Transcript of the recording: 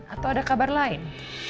atau ada kabar lain